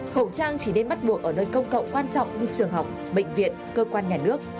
khẩu trang chỉ nên bắt buộc ở nơi công cộng quan trọng như trường học bệnh viện cơ quan nhà nước